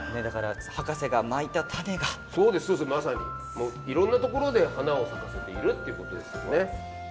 もういろんなところで花を咲かせているっていうことですよね。